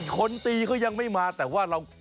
อีกคนตีเขายังไม่มาแต่ว่าเรา